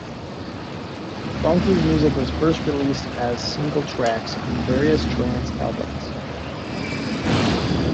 Bonky's music was first released as single tracks on various trance albums.